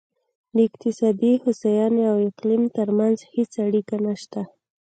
د اقتصادي هوساینې او اقلیم ترمنځ هېڅ اړیکه نشته.